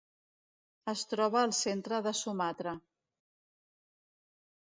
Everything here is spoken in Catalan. Es troba al centre de Sumatra.